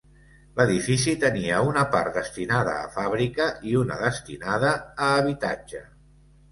L'edifici tenia una part destinada a fàbrica i una destinada a habitatge.